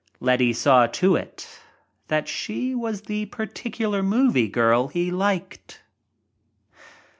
Letty saw to it that she was the particular movie girl he liked.